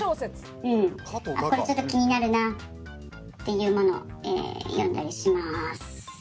これちょっと気になるなっていうものを読んだりします。